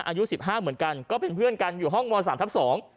อายุสิบห้าเหมือนกันก็เป็นเพื่อนกันอยู่ห้องมสามทับสอง